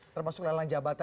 termasuk lelang jabatan